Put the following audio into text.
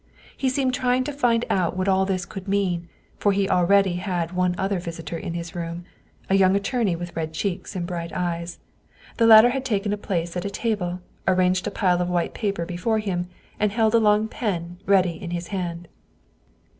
He seemed trying to find out what all this could mean, for he already had one other visitor in his room, a young attorney with red cheeks and bright eyes. The latter had taken a place 126 Wilhelm Hauff at a table, arranged a pile of white paper before him, and held a long pen ready in his hand.